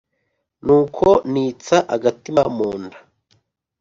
nuko nitsa agatima mu nda